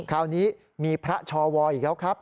คราวนี้มีพระชวอีกแล้วครับ